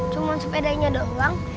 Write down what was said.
cuman sepedainya doang